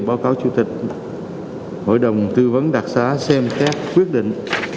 báo cáo chủ tịch hội đồng tư vấn đặc giá xem xét quyết định